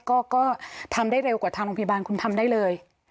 ก็ทำได้เร็วกว่าทางโรงพยาบาลคุณทำได้เลย